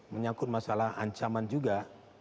menyakut masalah ancaman juga